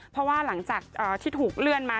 เพราะว่าหลังจากที่ถูกเลื่อนมา